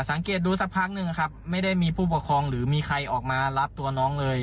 สังเกตดูสักพักหนึ่งนะครับไม่ได้มีผู้ปกครองหรือมีใครออกมารับตัวน้องเลย